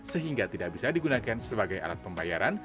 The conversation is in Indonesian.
sehingga tidak bisa digunakan sebagai alat pembayaran